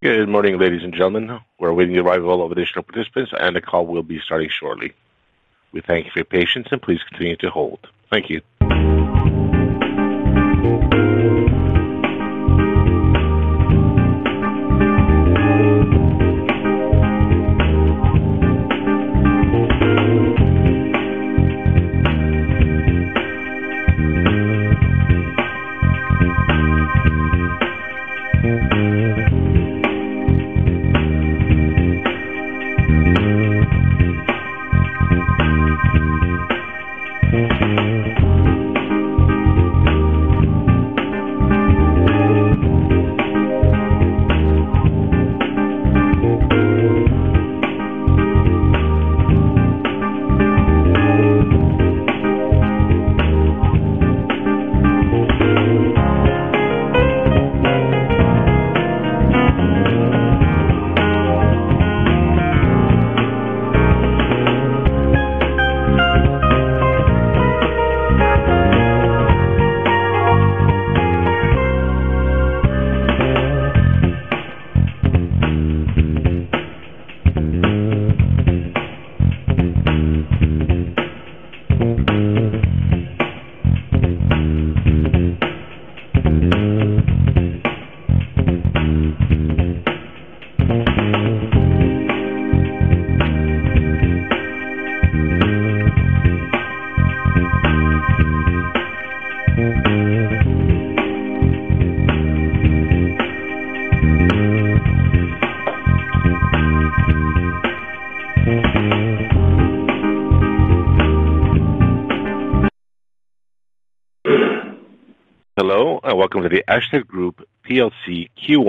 Good morning, ladies and gentlemen. We're awaiting the arrival of additional participants, and the call will be starting shortly. We thank you for your patience, and please continue to hold. Thank you.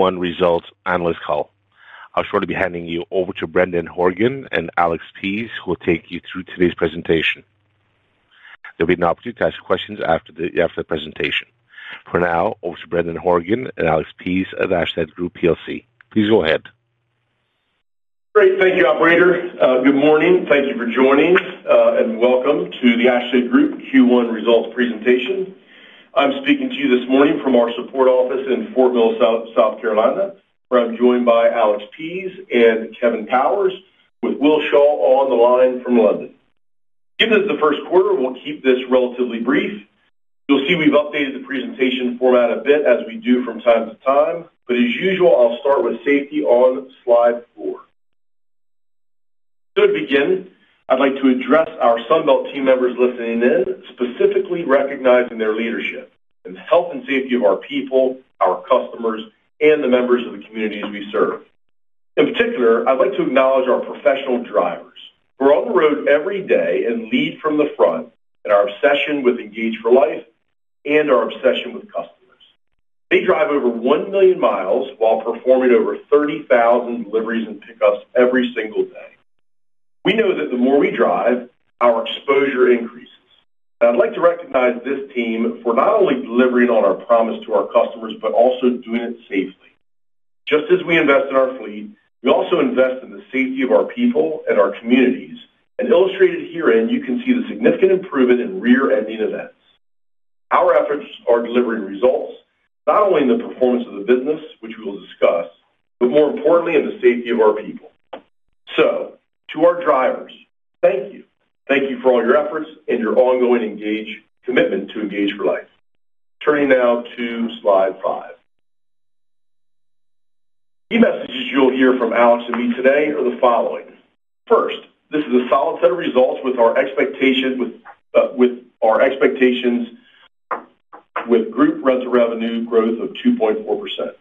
Hello, and welcome to the Ashtead Group Plc Q1 Results Analyst Call. I'll shortly be handing you over to Brendan Horgan and Alex Pease, who will take you through today's presentation. There will be an opportunity to ask questions after the presentation. For now, over to Brendan Horgan and Alex Pease of Ashtead Group Plc. Please go ahead. Great, thank you, operator. Good morning, thank you for joining, and welcome to the Ashtead Group Q1 Results Presentation. I'm speaking to you this morning from our support office in Fort Mill, South Carolina, where I'm joined by Alex Pease and Kevin Powers, with Will Shaw on the line from London. Given it's the first quarter, we'll keep this relatively brief. You'll see we've updated the presentation format a bit, as we do from time to time, but as usual, I'll start with safety on slide four. To begin, I'd like to address our Sunbelt team members listening in, specifically recognizing their leadership in the health and safety of our people, our customers, and the members of the communities we serve. In particular, I'd like to acknowledge our professional drivers, who are on the road every day and lead from the front in our obsession with Engage For Life and our obsession with customers. They drive over 1 million miles while performing over 30,000 deliveries and pickups every single day. We know that the more we drive, our exposure increases. I'd like to recognize this team for not only delivering on our promise to our customers, but also doing it safely. Just as we invest in our fleet, we also invest in the safety of our people and our communities, and illustrated herein, you can see the significant improvement in rear-ending events. Our efforts are delivering results, not only in the performance of the business, which we will discuss, but more importantly, in the safety of our people. To our drivers, thank you. Thank you for all your efforts and your ongoing commitment to Engage For Life. Turning now to slide five. Key messages you'll hear from Alex and me today are the following. First, this is a solid set of results with our expectations, with group rental revenue growth of 2.4%.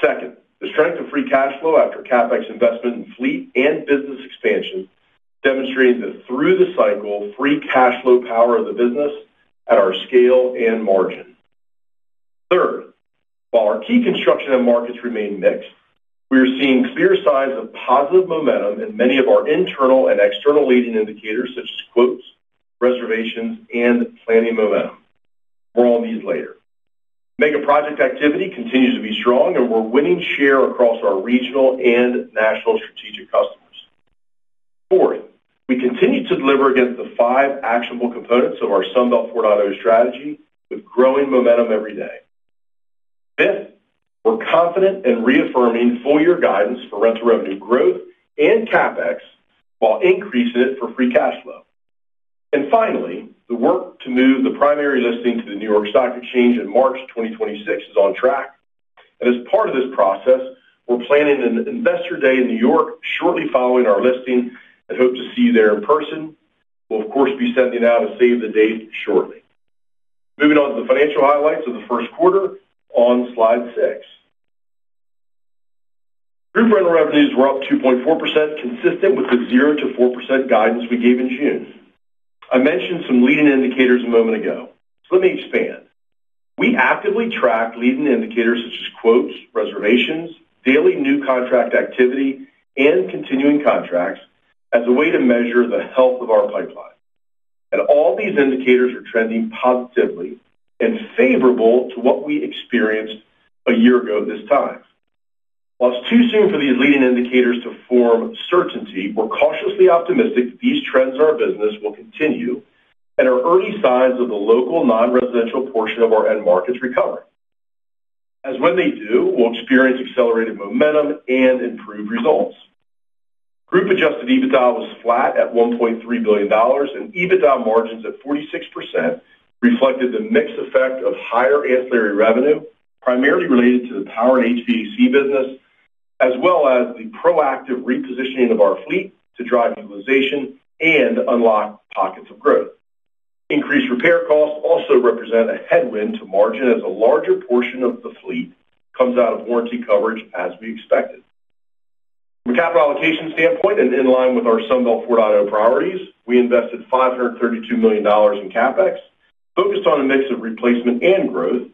Second, the strength of free cash flow after CapEx investment in fleet and business expansion demonstrated that through the cycle, free cash flow power of the business at our scale and margin. Third, while our key construction and markets remain mixed, we are seeing clear signs of positive momentum in many of our internal and external leading indicators, such as quotes, reservations, and planning momentum. We're on these layers. Mega project activity continues to be strong, and we're winning share across our regional and national strategic customers. Fourth, we continue to deliver against the five actionable components of our Sunbelt 4.0 strategy, with growing momentum every day. Fifth, we're confident in reaffirming full-year guidance for rental revenue growth and CapEx, while increasing it for free cash flow. Finally, the work to move the primary listing to the New York Stock Exchange in March 2026 is on track. As part of this process, we're planning an investor day in New York shortly following our listing and hope to see you there in person. We'll, of course, be sending out a save the date shortly. Moving on to the financial highlights of the first quarter on slide six. Rental revenues were up 2.4%, consistent with the 0%-4% guidance we gave in June. I mentioned some leading indicators a moment ago, so let me expand. We actively track leading indicators such as quotes, reservations, daily new contract activity, and continuing contracts as a way to measure the health of our pipeline. All these indicators are trending positively and favorable to what we experienced a year ago this time. While it's too soon for these leading indicators to form certainty, we're cautiously optimistic that these trends in our business will continue and are early signs of the local non-residential portion of our end markets recovering. As when they do, we'll experience accelerated momentum and improved results. Group adjusted EBITDA was flat at $1.3 billion, and EBITDA margins at 46% reflected the mixed effect of higher ancillary revenue, primarily related to the power and HVAC business, as well as the proactive repositioning of our fleet to drive utilization and unlock pockets of growth. Increased repair costs also represent a headwind to margin, as a larger portion of the fleet comes out of warranty coverage as we expected. From a capital allocation standpoint and in line with our Sunbelt 4.0 priorities, we invested $532 million in CapEx, focused on a mix of replacement and growth.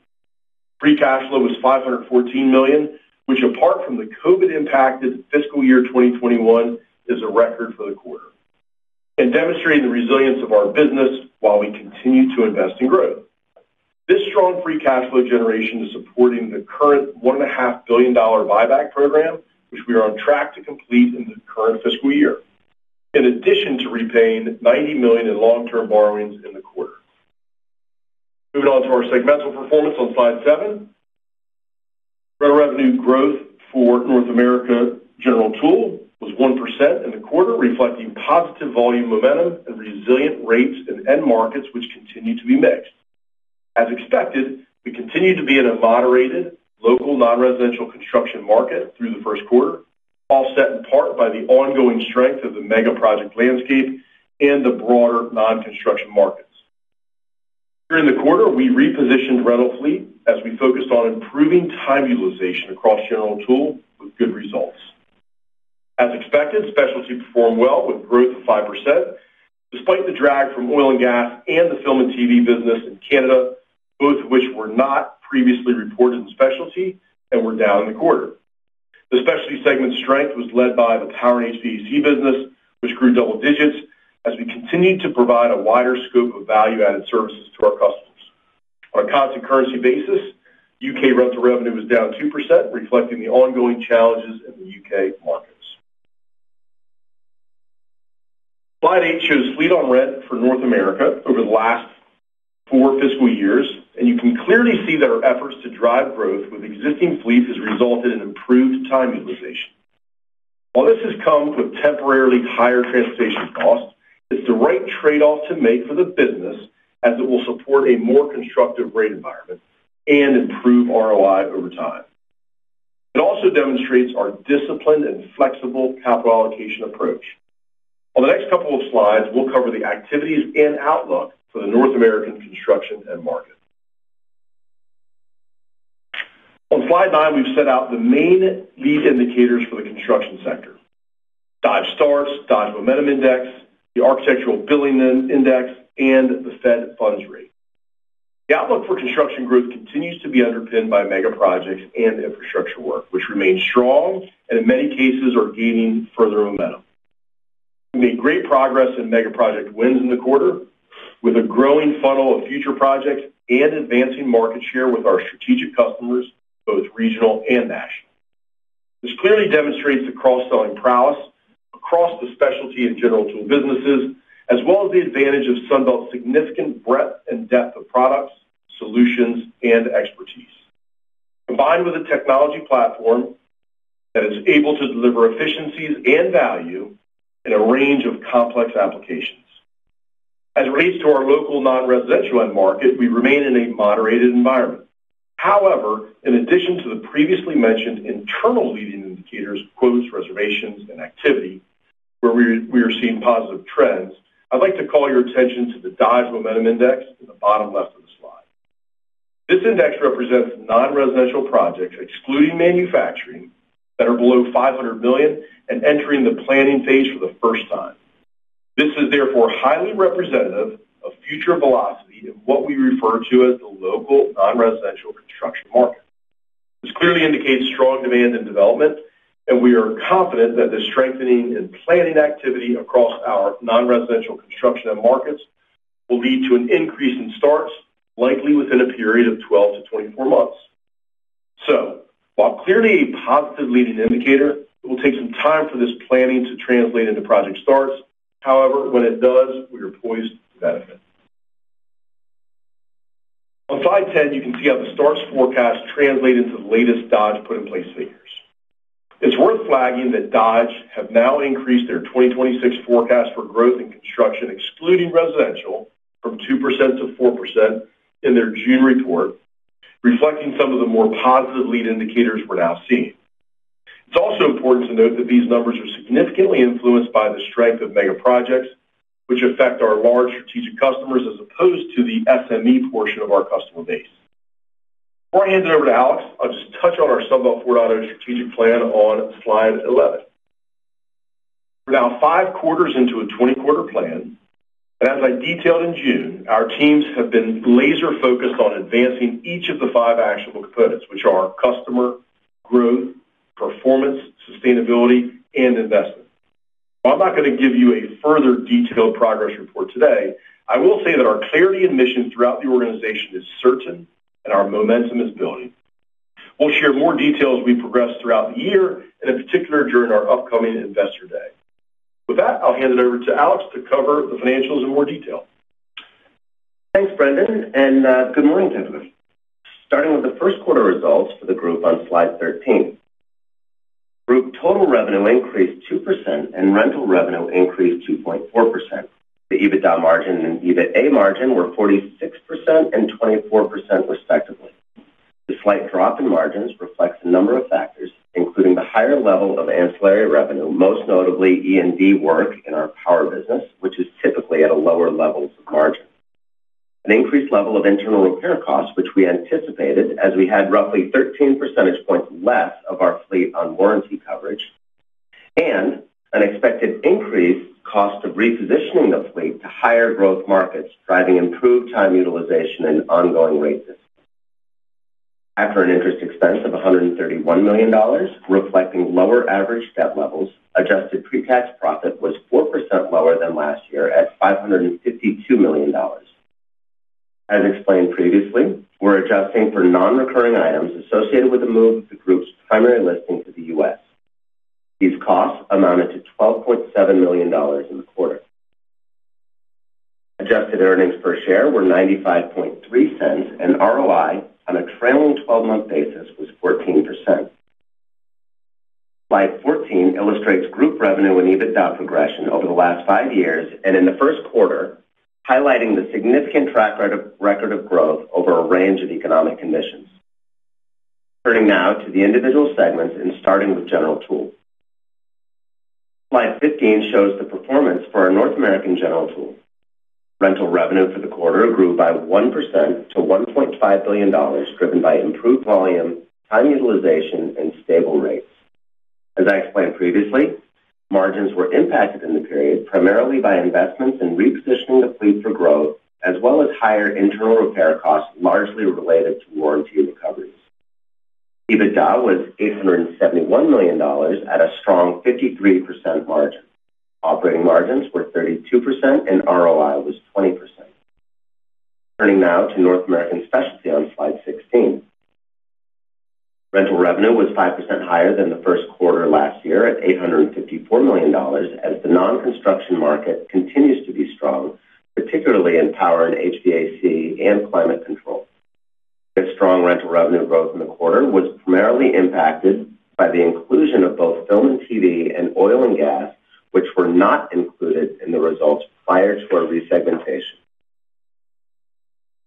Free cash flow was $514 million, which, apart from the COVID-impacted fiscal year 2021, is a record for the quarter, and demonstrating the resilience of our business while we continue to invest in growth. This strong free cash flow generation is supporting the current $1.5 billion buyback program, which we are on track to complete in the current fiscal year, in addition to repaying $90 million in long-term borrowings in the quarter. Moving on to our segmental performance on slide seven, rental revenue growth for North America General Tool was 1% in the quarter, reflecting positive volume momentum and resilient rates in end markets, which continue to be mixed. As expected, we continue to be in a moderated local non-residential construction market through the first quarter, offset in part by the ongoing strength of the mega project landscape and the broader non-construction markets. During the quarter, we repositioned rental fleet as we focused on improving time utilization across General Tool, with good results. As expected, specialty performed well, with growth of 5%, despite the drag from oil and gas and the film and TV business in Canada, both of which were not previously reported in specialty and were down in the quarter. The specialty segment strength was led by the power and HVAC business, which grew double-digits as we continued to provide a wider scope of value-added services to our customers. On a constant currency basis, U.K. rental revenue was down 2%, reflecting the ongoing challenges in the U.K. markets. Slide eight shows fleet on rent for North America over the last four fiscal years, and you can clearly see that our efforts to drive growth with existing fleets have resulted in improved time utilization. While this has come with temporarily higher transportation costs, it's the right trade-off to make for the business as it will support a more constructive rate environment and improve ROI over time. It also demonstrates our disciplined and flexible capital allocation approach. On the next couple of slides, we'll cover the activities and outlook for the North American construction and market. On slide nine, we've set out the main lead indicators for the construction sector: Dodge [STARS], Dodge Momentum Index, the Architectural Billing Index, and the Fed Funds Rate. The outlook for construction growth continues to be underpinned by mega projects and infrastructure work, which remain strong and in many cases are gaining further momentum. We made great progress in mega project wins in the quarter, with a growing funnel of future projects and advancing market share with our strategic customers, both regional and national. This clearly demonstrates the cross-selling prowess across the specialty and general tool businesses, as well as the advantage of Sunbelt's significant breadth and depth of products, solutions, and expertise, combined with a technology platform that is able to deliver efficiencies and value in a range of complex applications. As it relates to our local non-residential end market, we remain in a moderated environment. However, in addition to the previously mentioned internal leading indicators, quotes, reservations, and activity, where we are seeing positive trends, I'd like to call your attention to the Dodge Momentum Index in the bottom left of the slide. This index represents non-residential projects, excluding manufacturing, that are below $500 million and entering the planning phase for the first time. This is therefore highly representative of future velocity in what we refer to as the local non-residential construction market. This clearly indicates strong demand in development, and we are confident that this strengthening in planning activity across our non-residential construction and markets will lead to an increase in [STARS], likely within a period of 12 months-24 months. While clearly a positive leading indicator, it will take some time for this planning to translate into project [STARS]. However, when it does, we are poised to benefit. On slide 10, you can see how the [STARS] forecast translates into the latest Dodge put-in-place figures. It's worth flagging that Dodge has now increased their 2026 forecast for growth in construction, excluding residential, from 2% to 4% in their June report, reflecting some of the more positive lead indicators we're now seeing. It's also important to note that these numbers are significantly influenced by the strength of mega projects, which affect our large strategic customers as opposed to the SME portion of our customer base. Before I hand it over to Alex, I'll just touch on our Sunbelt 4.0 strategic plan on slide 11. We're now five quarters into a 20-quarter plan, and as I detailed in June, our teams have been laser-focused on advancing each of the five actionable components, which are customer, growth, performance, sustainability, and investment. While I'm not going to give you a further detailed progress report today, I will say that our clarity in missions throughout the organization is certain, and our momentum is building. We'll share more details as we progress throughout the year, and in particular, during our upcoming investor day. With that, I'll hand it over to Alex Pease to cover the financials in more detail. Thanks, Brendan, and good morning to everyone. Starting with the first quarter results for the group on slide 13, group total revenue increased 2% and rental revenue increased 2.4%. The EBITDA margin and EBIT-A margin were 46% and 24% respectively. The slight drop in margins reflects a number of factors, including the higher level of ancillary revenue, most notably E&D work in our power business, which is typically at a lower level of margin. An increased level of internal repair costs, which we anticipated as we had roughly 15 percentage points less of our fleet on warranty coverage, and an expected increased cost of repositioning the fleet to higher growth markets, driving improved time utilization and ongoing rate discounts. After an interest expense of $131 million, reflecting lower average debt levels, adjusted pre-cash profit was 4% lower than last year at $552 million. As explained previously, we're adjusting for non-recurring items associated with the move of the group's primary listing to the U.S. These costs amounted to $12.7 million in the quarter. Adjusted earnings per share were $95.03, and ROI on a trailing 12-month basis was 14%. Slide 14 illustrates group revenue and EBITDA progression over the last five years, and in the first quarter, highlighting the significant track record of growth over a range of economic conditions. Turning now to the individual segments and starting with General Tool. Slide 15 shows the performance for our North American General Tool. Rental revenue for the quarter grew by 1% to $1.5 billion, driven by improved volume, time utilization, and stable rates. As I explained previously, margins were impacted in the period, primarily by investments in repositioning the fleet for growth, as well as higher internal repair costs, largely related to warranty recoveries. EBITDA was $871 million at a strong 53% margin. Operating margins were 32%, and ROI was 20%. Turning now to North American specialty on slide 16. Rental revenue was 5% higher than the first quarter last year at $854 million, as the non-construction market continues to be strong, particularly in power and HVAC and climate control. This strong rental revenue growth in the quarter was primarily impacted by the inclusion of both film and TV and oil and gas, which were not included in the results prior to our resegmentation.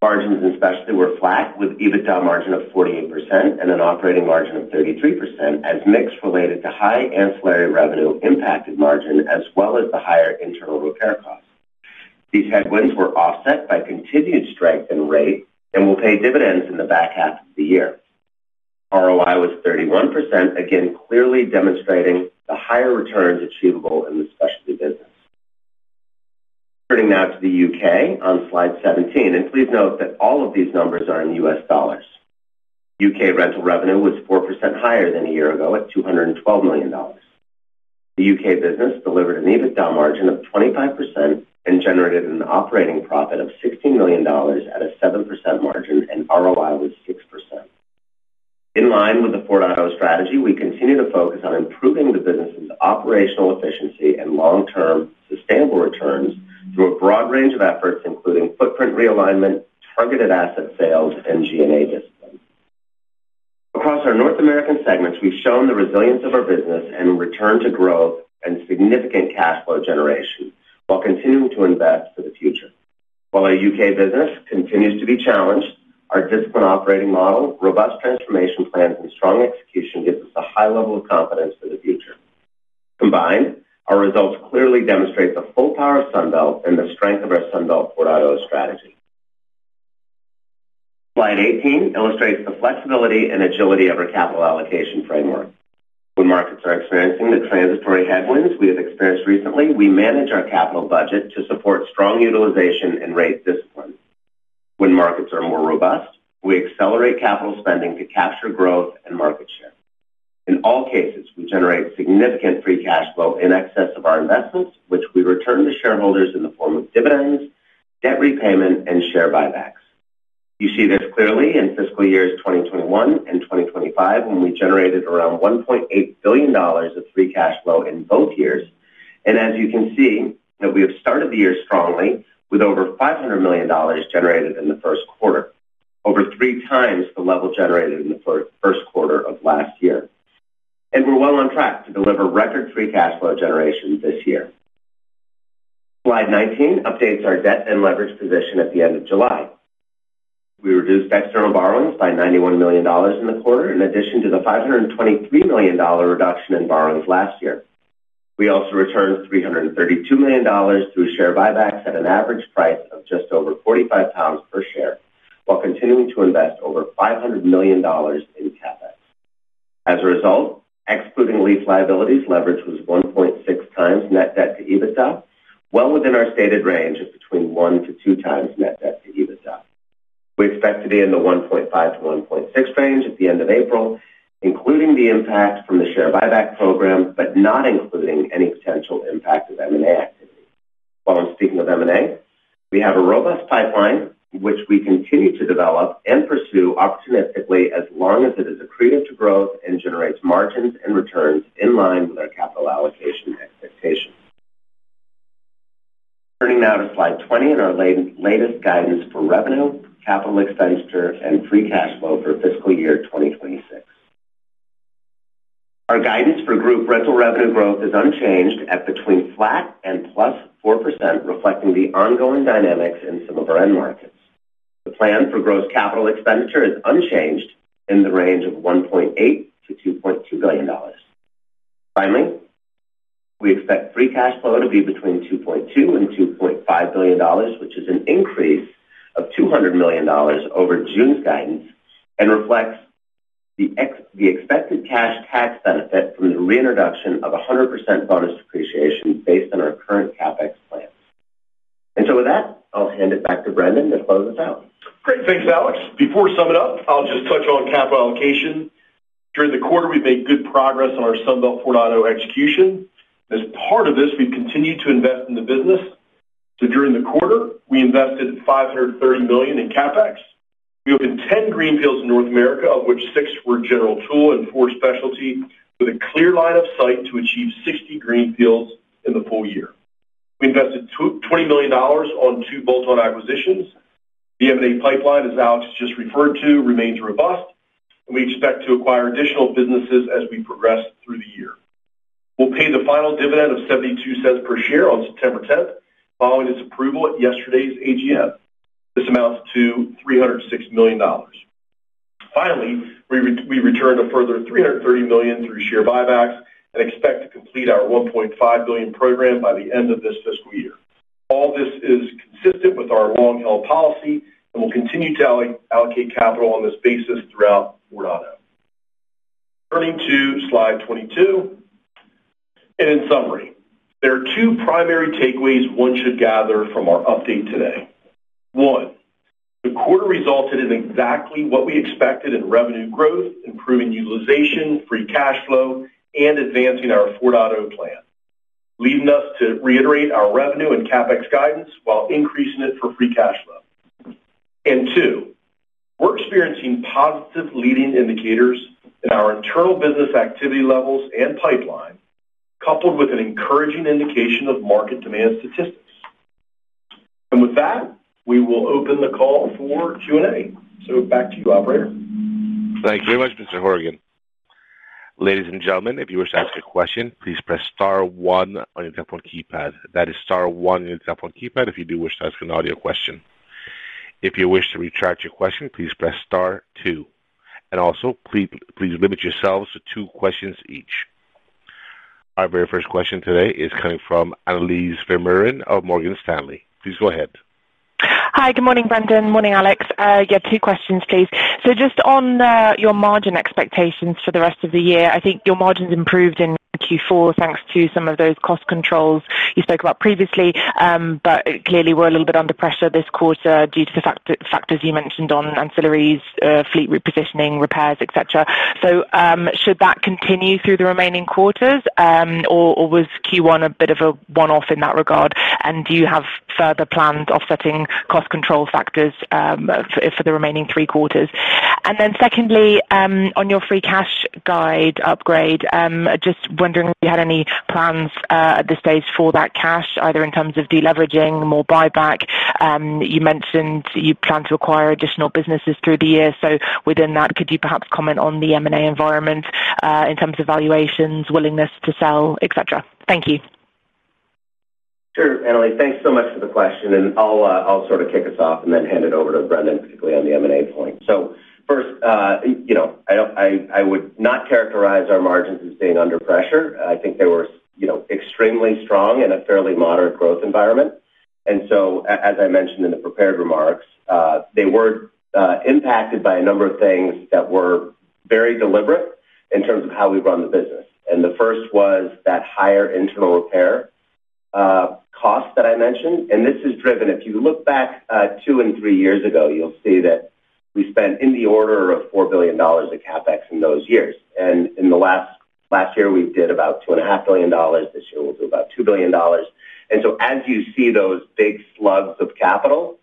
Margins especially were flat, with EBITDA margin of 48% and an operating margin of 33%, as mix related to high ancillary revenue impacted margin, as well as the higher internal repair costs. These headwinds were offset by continued strength in rate and will pay dividends in the back half of the year. ROI was 31%, again clearly demonstrating the higher returns achievable in the specialty business. Turning now to the U.K. on slide 17, and please note that all of these numbers are in U.S. dollars. U.K. rental revenue was 4% higher than a year ago at $212 million. The U.K. business delivered an EBITDA margin of 25% and generated an operating profit of $16 million at a 7% margin, and ROI was 6%. In line with the Sunbelt 4.0 strategy, we continue to focus on improving the business's operational efficiency and long-term sustainable returns through a broad range of efforts, including footprint realignment, targeted asset sales, and G&A discounts. Across our North American segments, we've shown the resilience of our business and return to growth and significant cash flow generation, while continuing to invest for the future. While our U.K. business continues to be challenged, our disciplined operating model, robust transformation plans, and strong execution give us a high level of confidence for the future. Combined, our results clearly demonstrate the full power of Sunbelt and the strength of our Sunbelt 4.0 strategy. Slide 18 illustrates the flexibility and agility of our capital allocation framework. When markets are experiencing the transitory headwinds we have experienced recently, we manage our capital budget to support strong utilization and rate discipline. When markets are more robust, we accelerate capital spending to capture growth and market share. In all cases, we generate significant free cash flow in excess of our investments, which we return to shareholders in the form of dividends, debt repayment, and share buybacks. You see that clearly in fiscal years 2021 and 2025, when we generated around $1.8 billion of free cash flow in both years, and as you can see, we have started the year strongly with over $500 million generated in the first quarter, over three times the level generated in the first quarter of last year. We are well on track to deliver record free cash flow generation this year. Slide 19 updates our debt and leverage position at the end of July. We reduced external borrowings by $91 million in the quarter, in addition to the $523 million reduction in borrowings last year. We also returned $332 million through share buybacks at an average price of just over £45 per share, while continuing to invest over $500 million in CapEx. As a result, excluding lease liabilities, leverage was 1.6x net debt to EBITDA, well within our stated range of between 1x-2x net debt to EBITDA. We expect to be in the 1.5x-1.6x range at the end of April, including the impact from the share buyback program, but not including any potential impact of M&A activity. While I'm speaking of M&A, we have a robust pipeline, which we continue to develop and pursue opportunistically as long as it is accretive to growth and generates margins and returns in line with our capital allocation expectations. Turning now to slide 20 and our latest guidance for revenue, capital expenditure, and free cash flow for fiscal year 2026. Our guidance for group rental revenue growth is unchanged at between flat and +4%, reflecting the ongoing dynamics in some of our end markets. The plan for gross capital expenditure is unchanged in the range of $1.8 billion-$2.2 billion. Finally, we expect free cash flow to be between $2.2 billion-$2.5 billion, which is an increase of $200 million over June's guidance and reflects the expected cash tax benefit from the reintroduction of 100% bonus depreciation based on our current CapEx plans. With that, I'll hand it back to Brendan to close this out. Great, thanks, Alex. Before we sum it up, I'll just touch on capital allocation. During the quarter, we've made good progress on our Sunbelt 4.0 execution. As part of this, we've continued to invest in the business. During the quarter, we invested $530 million in CapEx. We opened 10 greenfields in North America, of which six were General Tool and four specialty, with a clear line of sight to achieve 60 greenfields in the full year. We invested $20 million on two bolt-on acquisitions. The M&A pipeline, as Alex just referred to, remains robust, and we expect to acquire additional businesses as we progress through the year. We'll pay the final dividend of $0.72 per share on September 10, following its approval at yesterday's AGM. This amounts to $306 million. Finally, we returned a further $330 million through share buybacks and expect to complete our $1.5 billion program by the end of this fiscal year. All this is consistent with our long-held policy and we will continue to allocate capital on this basis throughout 4.0. Turning to slide 22. In summary, there are two primary takeaways one should gather from our update today. One, the quarter resulted in exactly what we expected in revenue growth, improving utilization, free cash flow, and advancing our 4.0 plan, leading us to reiterate our revenue and CapEx guidance while increasing it for free cash flow. Two, we're experiencing positive leading indicators in our internal business activity levels and pipeline, coupled with an encouraging indication of market demand statistics. With that, we will open the call for Q&A. Back to you, operator. Thank you very much, Mr. Horgan. Ladies and gentlemen, if you wish to ask a question, please press star one on your telephone keypad. That is star one on your telephone keypad if you do wish to ask an audio question. If you wish to retract your question, please press star two. Please limit yourselves to two questions each. Our very first question today is coming from Annelies Vermeulen of Morgan Stanley. Please go ahead. Hi, good morning, Brendan. Morning, Alex. Yeah, two questions, please. Just on your margin expectations for the rest of the year, I think your margins improved in Q4, thanks to some of those cost controls you spoke about previously. Clearly, we're a little bit under pressure this quarter due to the factors you mentioned on ancillaries, fleet repositioning, repairs, et cetera. Should that continue through the remaining quarters? Was Q1 a bit of a one-off in that regard? Do you have further plans offsetting cost control factors for the remaining three quarters? Secondly, on your free cash guide upgrade, just wondering if you had any plans at this stage for that cash, either in terms of deleveraging or more buyback. You mentioned you plan to acquire additional businesses through the year. Within that, could you perhaps comment on the M&A environment in terms of valuations, willingness to sell, et cetera? Thank you. Sure, Annelies, thanks so much for the question. I'll sort of kick us off and then hand it over to Brendan, particularly on the M&A point. First, I would not characterize our margins as being under pressure. I think they were extremely strong in a fairly moderate growth environment. As I mentioned in the prepared remarks, they were impacted by a number of things that were very deliberate in terms of how we run the business. The first was that higher internal repair cost that I mentioned. This is driven, if you look back two and three years ago, you'll see that we spent in the order of $4 billion of CapEx in those years. In the last year, we did about $2.5 billion. This year, we'll do about $2 billion. As you see those big slugs of capital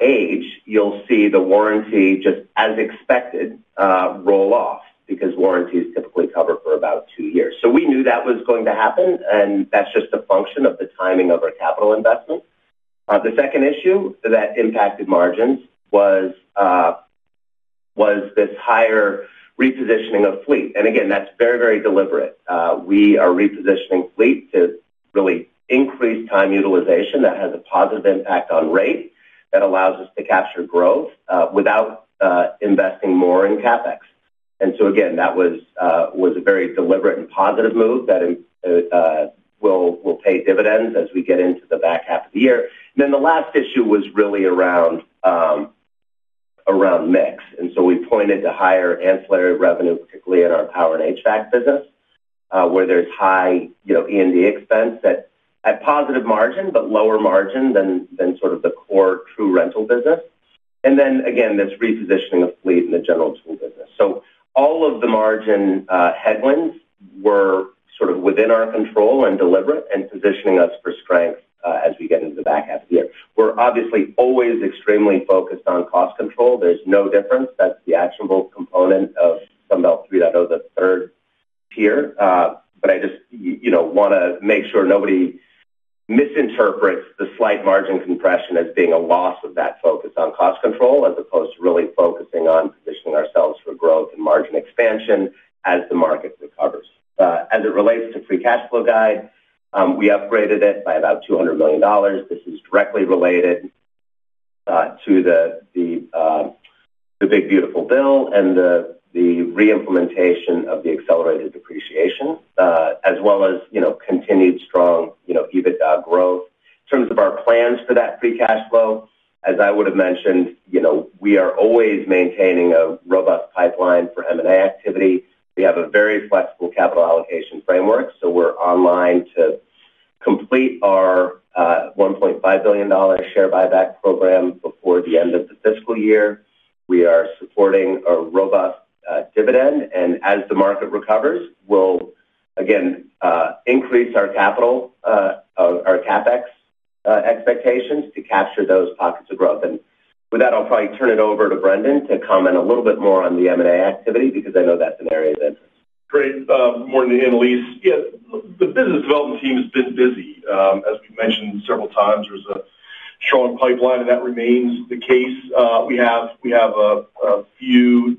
age, you'll see the warranty, just as expected, roll off because warranty is typically covered for about two years. We knew that was going to happen, and that's just a function of the timing of our capital investment. The second issue that impacted margins was this higher repositioning of fleet. That's very, very deliberate. We are repositioning fleet to really increase time utilization that has a positive impact on rate that allows us to capture growth without investing more in CapEx. That was a very deliberate and positive move that will pay dividends as we get into the back half of the year. The last issue was really around mix. We pointed to higher ancillary revenue, particularly in our power and HVAC business, where there's high E&D expense at positive margin, but lower margin than the core true rental business. This repositioning of fleet in the general tool business also played a role. All of the margin headwinds were within our control and deliberate, positioning us for strength as we get into the back half of the year. We're obviously always extremely focused on cost here, but I just want to make sure nobody misinterprets the slight margin compression as being a loss of that focus on cost control, as opposed to really focusing on positioning ourselves for growth and margin expansion as the market recovers. As it relates to free cash flow guide, we upgraded it by about $200 million. This is directly related to the big, beautiful bill and the reimplementation of the accelerated depreciation, as well as continued strong EBITDA growth. In terms of our plans for that free cash flow, as I would have mentioned, we are always maintaining a robust pipeline for M&A activity. We have a very flexible capital allocation framework. We are online to complete our $1.5 billion share buyback program before the end of the fiscal year. We are supporting a robust dividend. As the market recovers, we'll again increase our capital or our CapEx expectations to capture those pockets of growth. With that, I'll probably turn it over to Brendan to comment a little bit more on the M&A activity because I know that's an area of interest. Great. Morning, Annelies. Yeah, the business development team has been busy. As we mentioned several times, there's a strong pipeline, and that remains the case. We have a few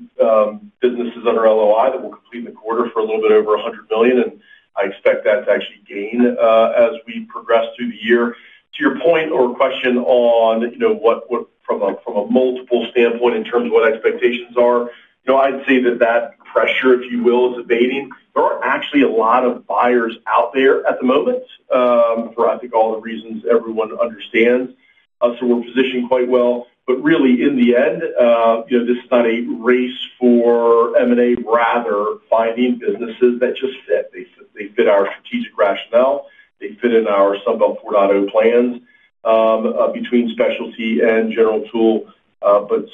businesses under LOI that will complete in the quarter for a little bit over $100 million. I expect that to actually gain as we progress through the year. To your point or question on what from a multiple standpoint in terms of what expectations are, I'd say that that pressure, if you will, is abating. There aren't actually a lot of buyers out there at the moment. I think all the reasons everyone understands us, so we're positioned quite well. Really, in the end, you know this is not a race for M&A, rather finding businesses that just fit. They fit our strategic rationale. They fit in our Sunbelt 4.0 plans between specialty and general tool.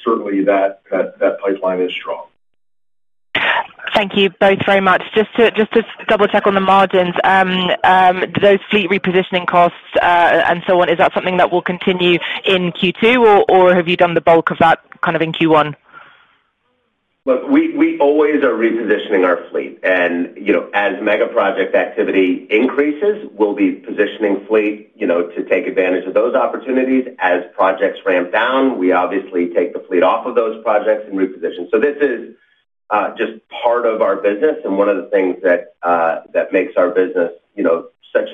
Certainly, that pipeline is strong. Thank you both very much. Just to double-check on the margins, those fleet repositioning costs and so on, is that something that will continue in Q2, or have you done the bulk of that kind of in Q1? Look, we always are repositioning our fleet. As mega project activity increases, we'll be positioning fleet to take advantage of those opportunities. As projects ramp down, we obviously take the fleet off of those projects and reposition. This is just part of our business. One of the things that makes our business such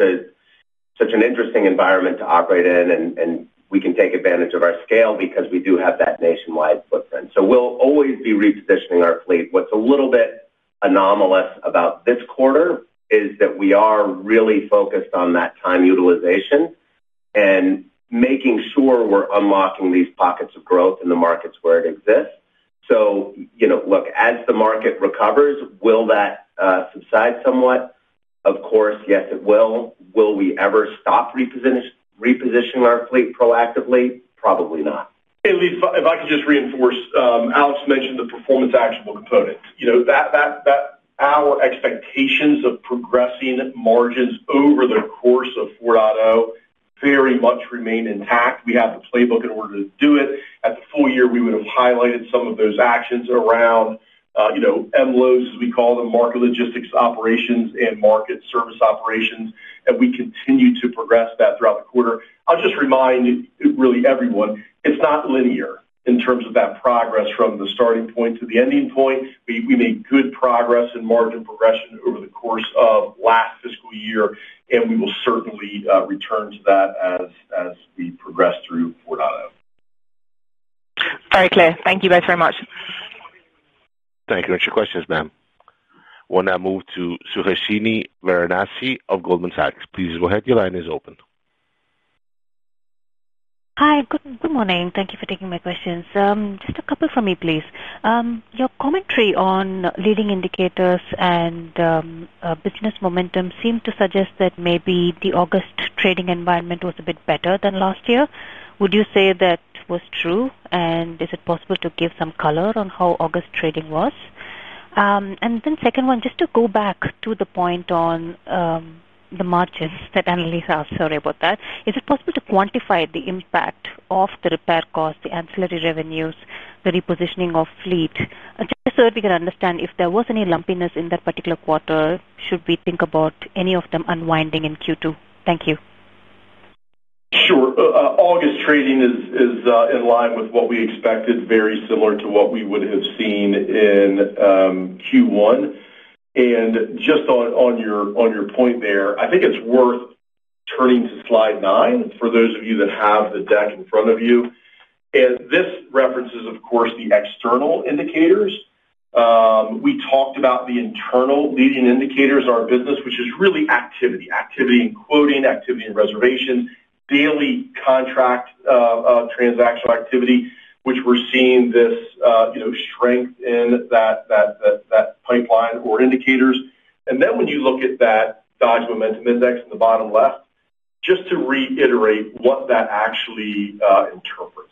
an interesting environment to operate in is that we can take advantage of our scale because we do have that nationwide footprint. We'll always be repositioning our fleet. What's a little bit anomalous about this quarter is that we are really focused on that time utilization and making sure we're unlocking these pockets of growth in the markets where it exists. As the market recovers, will that subside somewhat? Of course, yes, it will. Will we ever stop repositioning our fleet proactively? Probably not. Annelies, if I could just reinforce, Alex mentioned the performance actionable component. You know that our expectations of progressing margins over the course of 4.0 very much remain intact. We have a playbook in order to do it. At the full year, we would have highlighted some of those actions around MLOs, as we call them, Market Logistics Operations and Market Service Operations. We continue to progress that throughout the quarter. I'll just remind really everyone, it's not linear in terms of that progress from the starting point to the ending point. We made good progress in margin progression over the course of last fiscal year, and we will certainly return to that as we progress through 4.0. Very clear. Thank you both very much. Thank you for your questions, ma'am. We'll now move to Suhasini Varanasi of Goldman Sachs. Please go ahead. Your line is open. Hi. Good morning. Thank you for taking my questions. Just a couple for me, please. Your commentary on leading indicators and business momentum seemed to suggest that maybe the August trading environment was a bit better than last year. Would you say that was true? Is it possible to give some color on how August trading was? The second one, just to go back to the point on the margins that Annelies asked, sorry about that. Is it possible to quantify the impact of the repair costs, the ancillary revenues, the repositioning of fleet? Just so that we can understand if there was any lumpiness in that particular quarter, should we think about any of them unwinding in Q2? Thank you. Sure. August trading is in line with what we expected, very similar to what we would have seen in Q1. On your point there, I think it's worth turning to slide nine for those of you that have the deck in front of you. This references, of course, the external indicators. We talked about the internal leading indicators in our business, which is really activity, activity in quoting, activity in reservations, daily contract transactional activity, which we're seeing this strength in that pipeline or indicators. When you look at that Dodge Momentum Index in the bottom left, just to reiterate what that actually interprets,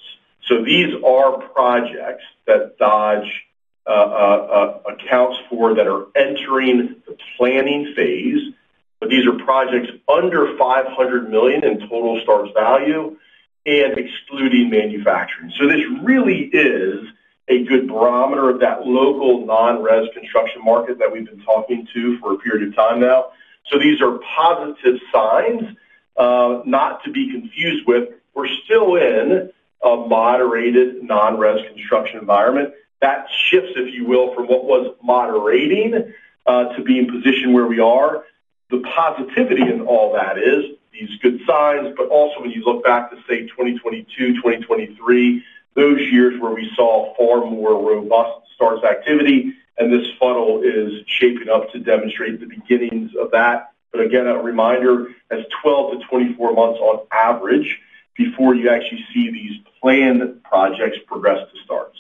these are projects that Dodge accounts for that are entering the planning phase, but these are projects under $500 million in total [STARS] value and excluding manufacturing. This really is a good barometer of that local non-res construction market that we've been talking to for a period of time now. These are positive signs, not to be confused with. We're still in a moderated non-res construction environment. That shifts, if you will, from what was moderating to being positioned where we are. The positivity in all that is these good signs, but also when you look back to, say, 2022, 2023, those years where we saw far more robust [STARS] activity, and this funnel is changing up to demonstrate the beginnings of that. Again, a reminder, it's 12 months-24 months on average before you actually see these planned projects progress to [STARS].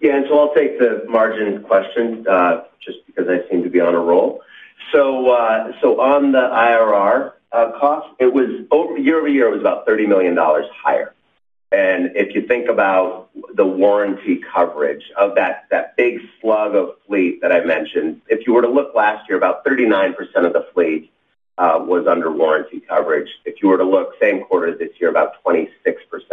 Yeah, I'll take the margin question just because I seem to be on a roll. On the IRR cost, year-over-year, it was about $30 million higher. If you think about the warranty coverage of that big slug of fleet that I mentioned, if you were to look last year, about 39% of the fleet was under warranty coverage. If you were to look at the same quarter this year, about 26%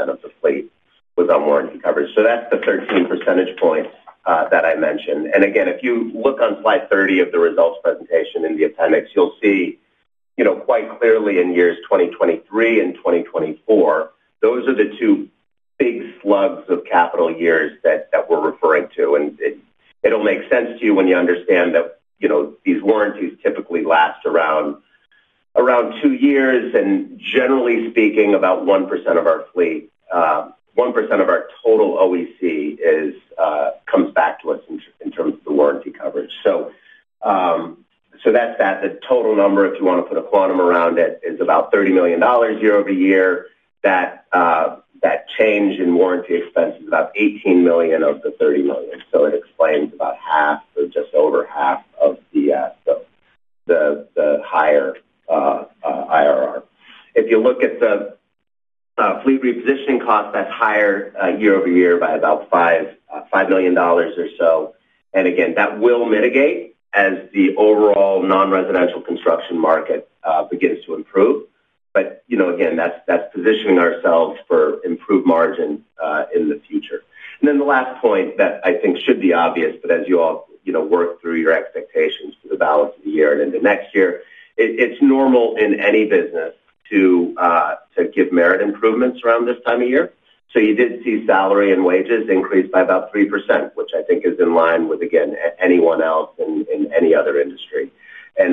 of the fleet was on warranty coverage. That's the 13 percentage point that I mentioned. If you look on slide 30 of the results presentation in the appendix, you'll see quite clearly in years 2023 and 2024, those are the two big slugs of capital years that we're referring to. It will make sense to you when you understand that these warranties typically last around two years. Generally speaking, bout 1% of our fleet, 1% of our total OEC, comes back to us in terms of the warranty coverage. That's that. The total number, if you want to put a quantum around it, is about $30 million year-over-year. That change in warranty expense is about $18 million of the $30 million, so it explains about half, just over half, of the higher IRR. If you look at the fleet repositioning cost, that's higher year over year by about $5 million or so. That will mitigate as the overall non-residential construction market begins to improve. Again, that's positioning ourselves for improved margin in the future. The last point that I think should be obvious, as you all work through your expectations for the balance of the year and into next year, it's normal in any business to give merit improvements around this time of year. You did see salary and wages increase by about 3%, which I think is in line with anyone else in any other industry.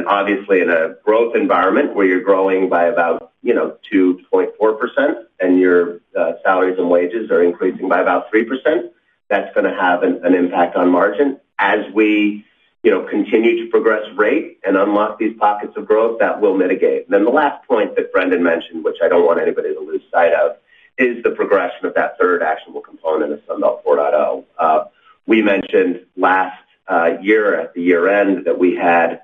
Obviously, in a growth environment where you're growing by about 2.4% and your salaries and wages are increasing by about 3%, that's going to have an impact on margin. As we continue to progress rate and unlock these pockets of growth, that will mitigate. The last point that Brendan mentioned, which I don't want anybody to lose sight of, is the progression of that third actionable component of Sunbelt 4.0. We mentioned last year at the year-end that we had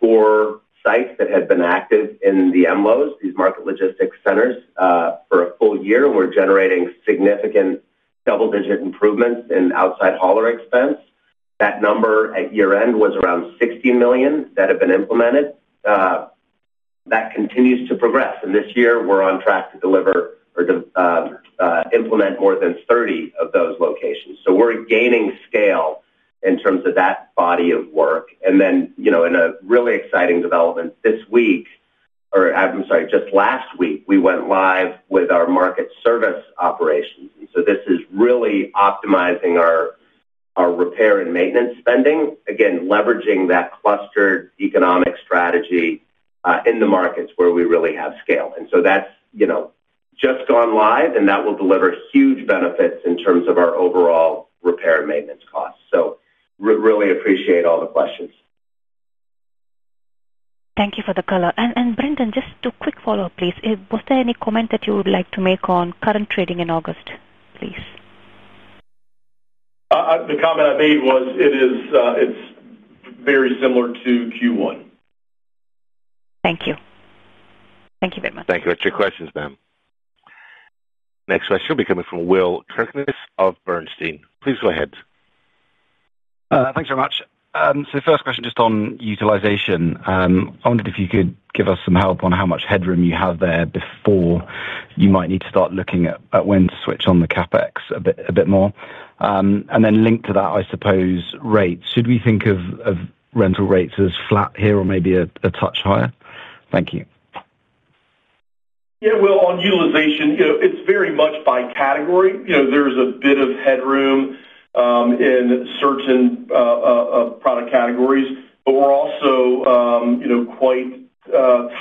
four sites that had been active in the MLOs, these market logistics centers, for a full year, and we're generating significant double-digit improvements in outside hauler expense. That number at year-end was around $16 million that had been implemented. That continues to progress. This year, we're on track to deliver or to implement more than 30 of those locations. We're gaining scale in terms of that body of work. In a really exciting development last week, we went live with our Market Service Operations. This is really optimizing our repair and maintenance spending, again, leveraging that clustered economic strategy in the markets where we really have scale. That's just gone live, and that will deliver huge benefits in terms of our overall repair and maintenance costs. Really appreciate all the questions. Thank you for the color. Brendan, just a quick follow-up, please. Was there any comment that you would like to make on current trading in August, please? The comment I made was it's very similar to Q1. Thank you. Thank you very much. Thank you. That's your questions, ma'am. Next question will be coming from Will Kirkness of Bernstein. Please go ahead. Thanks very much. First question just on utilization. I wondered if you could give us some help on how much headroom you have there before you might need to start looking at when to switch on the CapEx a bit more. Then linked to that, I suppose, rates. Should we think of rental rates as flat here or maybe a touch higher? Thank you. Yeah, on utilization, it's very much by category. There's a bit of headroom in certain product categories, but we're also quite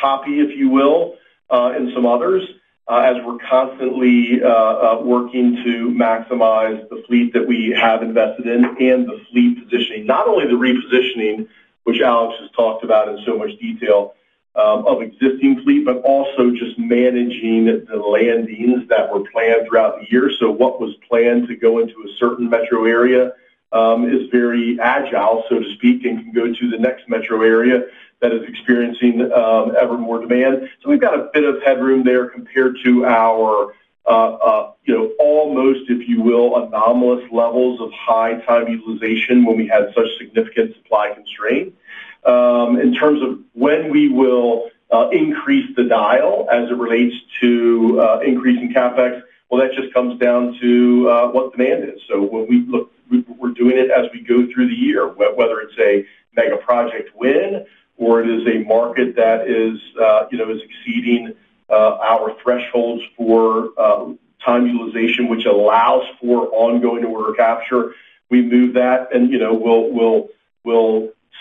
toppy, if you will, in some others as we're constantly working to maximize the fleet that we have invested in and the fleet positioning. Not only the repositioning, which Alex has talked about in so much detail of existing fleet, but also just managing the landings that were planned throughout the year. What was planned to go into a certain metro area is very agile, so to speak, and can go to the next metro area that is experiencing ever more demand. We've got a bit of headroom there compared to our, you know, almost, if you will, anomalous levels of high time utilization when we had such significant supply constraint. In terms of when we will increase the dial as it relates to increasing CapEx, that just comes down to what demand is. When we look, we're doing it as we go through the year, whether it's a mega project win or it is a market that is exceeding our thresholds for time utilization, which allows for ongoing order capture, we move that and we'll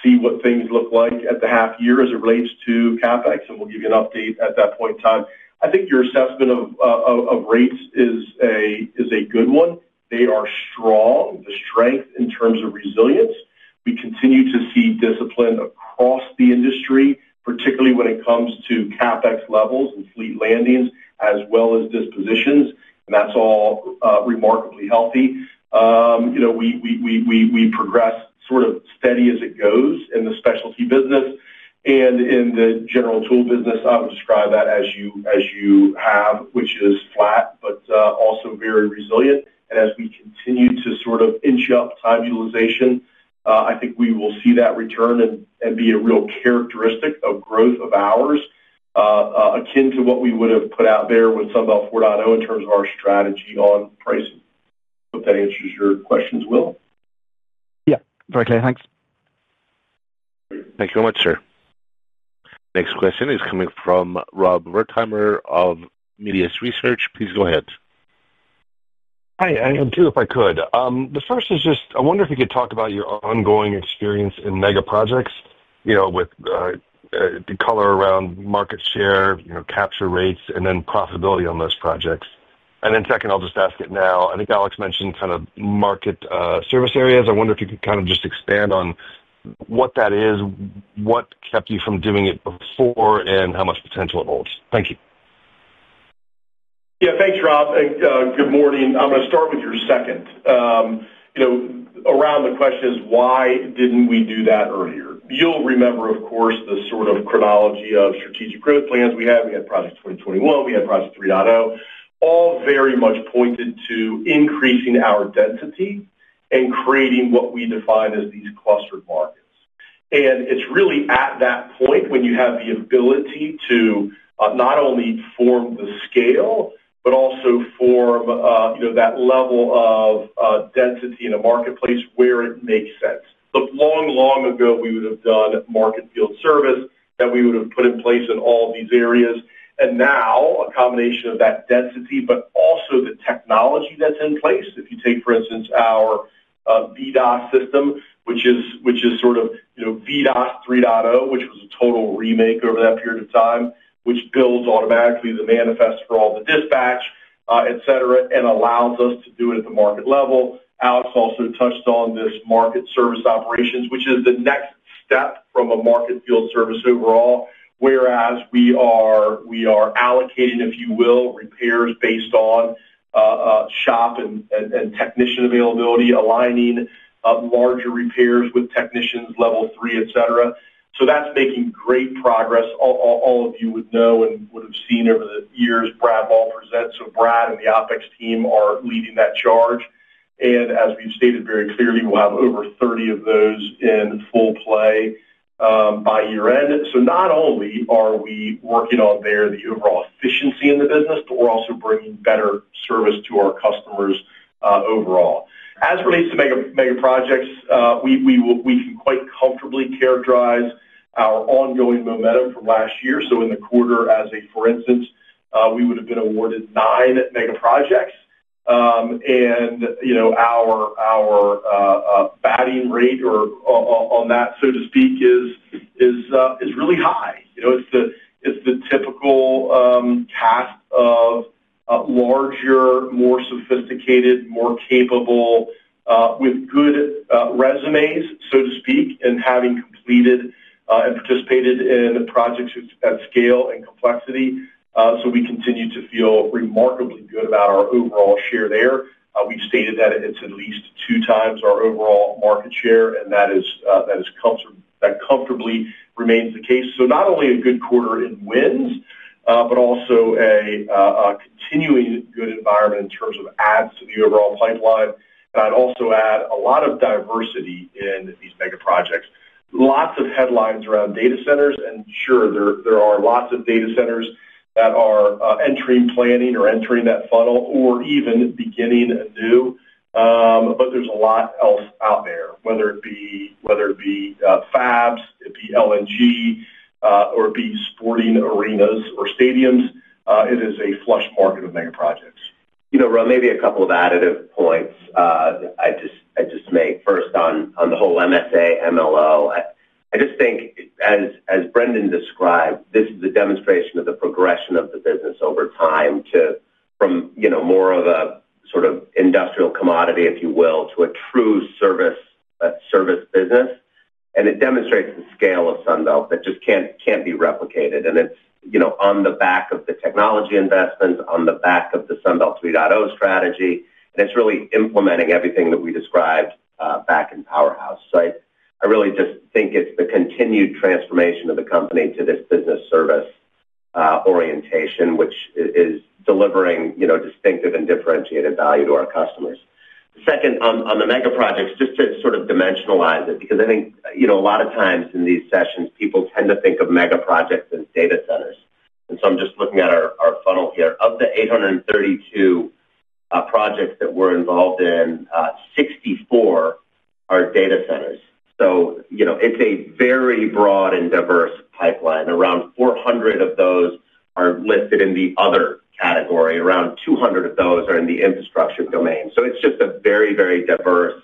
see what things look like at the half year as it relates to CapEx. We'll give you an update at that point in time. I think your assessment of rates is a good one. They are strong, the strength in terms of resilience. We continue to see discipline across the industry, particularly when it comes to CapEx levels and fleet landings, as well as dispositions. That's all remarkably healthy. We progress sort of steady as it goes in the specialty business. In the General Tool business, I would describe that as you have, which is flat, but also very resilient. As we continue to sort of inch up time utilization, I think we will see that return and be a real characteristic of growth of ours, akin to what we would have put out there with Sunbelt 4.0 in terms of our strategy on pricing. Hope that answers your questions. Yeah, very clear. Thanks. Thanks very much, sir. Next question is coming from Rob Wertheimer of Melius Research. Please go ahead. Hi, I am too, if I could. The first is just, I wonder if you could talk about your ongoing experience in mega projects, with the color around market share, capture rates, and then profitability on those projects. The second, I'll just ask it now. I think Alex mentioned kind of Market Service Operations. I wonder if you could just expand on what that is, what kept you from doing it before, and how much potential it holds. Thank you. Yeah, thanks, Rob. Good morning. I'm going to start with your second. Around the question is, why didn't we do that earlier? You'll remember, of course, the sort of chronology of strategic growth plans we had. We had Project 2021, we had Project 3.0, all very much pointed to increasing our density and creating what we define as these clustered markets. It's really at that point when you have the ability to not only form the scale, but also form that level of density in a marketplace where it makes sense. Long, long ago, we would have done market field service that we would have put in place in all these areas. Now, a combination of that density, but also the technology that's in place. If you take, for instance, our BDOS system, which is sort of VDOS 3.0, which was a total remake over that period of time, which builds automatically the manifest for all the dispatch, etc., and allows us to do it at the market level. Alex also touched on this Market Service Operations, which is the next step from a market field service overall, where we are allocating, if you will, repairs based on shop and technician availability, aligning larger repairs with technicians, level three, etc. That's making great progress. All of you would know and would have seen over the years, [Brad Walton] presents. [Brad] and the OpEx team are leading that charge. As we've stated very clearly, we'll have over 30 of those in full play by year-end. Not only are we working on the overall efficiency in the business, but we're also bringing better service to our customers overall. As it relates to mega projects, we can quite comfortably characterize our ongoing momentum from last year. In the quarter, as a for instance, we would have been awarded nine mega projects. Our batting rate on that, so to speak, is really high. It's the typical cast of larger, more sophisticated, more capable, with good resumes, so to speak, and having completed and participated in projects at scale and complexity. We continue to feel remarkably good about our overall share there. We just stated that it's at least two times our overall market share, and that comfortably remains the case. Not only a good quarter in wins, but also a continuing good environment in terms of adds to the overall pipeline. I'd also add a lot of diversity in these mega projects. Lots of headlines around data centers, and sure, there are lots of data centers that are entering planning or entering that funnel or even beginning new. There's a lot else out there, whether it be Fabs, LNG, or sporting arenas or stadiums. It is a flush market of mega projects. You know, Rob, maybe a couple of additive points I'd just make. First, on the whole MSO, MLO, I just think, as Brendan described, this is the demonstration of the progression of the business over time from, you know, more of a sort of industrial commodity, if you will, to a true service business. It demonstrates the scale of Sunbelt that just can't be replicated. It's, you know, on the back of the technology investments, on the back of the Sunbelt 3.0 strategy. It's really implementing everything that we described back in Powerhouse. I really just think it's the continued transformation of the company to this business service orientation, which is delivering, you know, distinctive and differentiated value to our customers. Second, on the mega projects, just to sort of dimensionalize it, because I think, you know, a lot of times in these sessions, people tend to think of mega projects as data centers. I'm just looking at our funnel here. Of the 832 projects that we're involved in, 64 are data centers. It's a very broad and diverse pipeline. Around 400 of those are listed in the other category. Around 200 of those are in the infrastructure domain. It's just a very, very diverse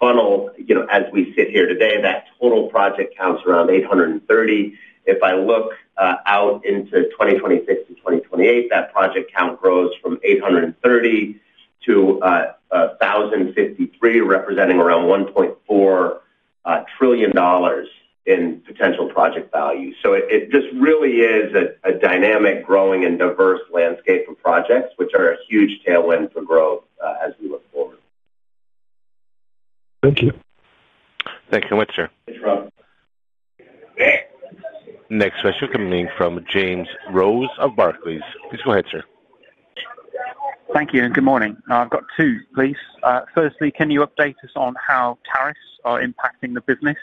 funnel. As we sit here today, that total project count's around 830. If I look out into 2026 and 2028, that project count grows from 830 to 1,053, representing around $1.4 trillion in potential project value. It just really is a dynamic, growing, and diverse landscape for projects, which are a huge tailwind for growth as we look forward. Thank you. Thank you very much, sir. Next question coming from James Rose of Barclays. Please go ahead, sir. Thank you, and good morning. I've got two, please. Firstly, can you update us on how tariffs are impacting the business?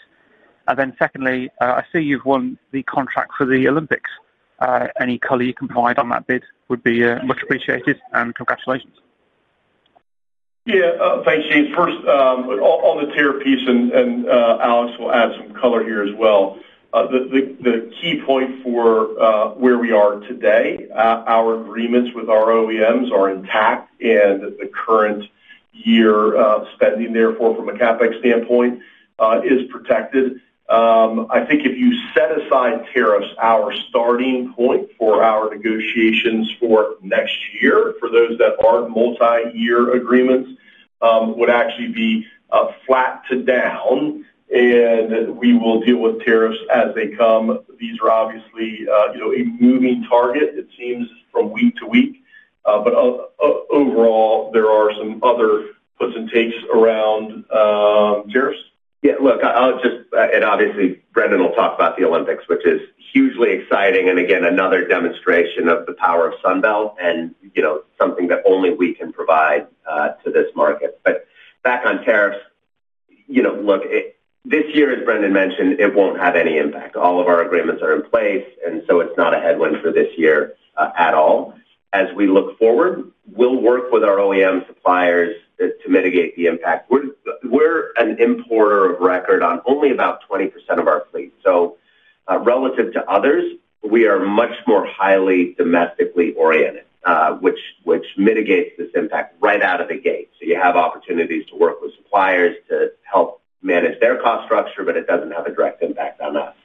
Secondly, I see you've won the contract for the Olympics. Any color you can provide on that bid would be much appreciated, and congratulations. Yeah, thanks, James. First, on the tariff piece, and Alex will add some color here as well. The key point for where we are today, our agreements with our OEMs are intact, and the current year of spending, therefore, from a CapEx standpoint, is protected. I think if you set aside tariffs, our starting point for our negotiations for next year, for those that are multi-year agreements, would actually be flat to down, and we will deal with tariffs as they come. These are obviously a moving target, it seems, from week to week. Overall, there are some other puts and takes around tariffs. Yeah, look, I'll just, and obviously, Brendan will talk about the Olympics, which is hugely exciting, and again, another demonstration of the power of Sunbelt and, you know, something that only we can provide to this market. Back on tariffs, this year, as Brendan mentioned, it won't have any impact. All of our agreements are in place, and it's not a headwind for this year at all. As we look forward, we'll work with our OEM suppliers to mitigate the impact. We're an importer of record on only about 20% of our fleet. Relative to others, we are much more highly domestically oriented, which mitigates this impact right out of the gate. You have opportunities to work with suppliers to help manage their cost structure, but it doesn't have a direct impact on us.